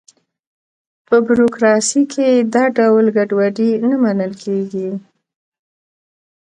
په بروکراسي کې دا ډول ګډوډي نه منل کېږي.